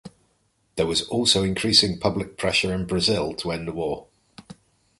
There was also increasing public pressure in Brazil to end the war.